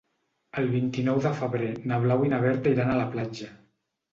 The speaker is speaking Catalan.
El vint-i-nou de febrer na Blau i na Berta iran a la platja.